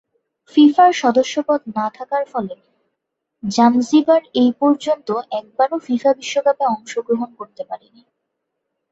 ফিফার সদস্যপদ না থাকার ফলে জাঞ্জিবার এপর্যন্ত একবারও ফিফা বিশ্বকাপে অংশগ্রহণ করতে পারেনি।